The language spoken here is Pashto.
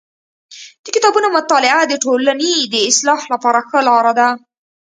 د کتابونو مطالعه د ټولني د اصلاح لپاره ښه لار ده.